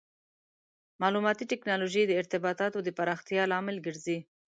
مالوماتي ټکنالوژي د ارتباطاتو د پراختیا لامل ګرځي.